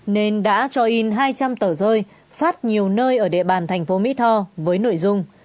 nên đã cho in hai trăm linh tờ rơi phát nhiều nơi ở địa bàn thành phố mỹ tho với nội dung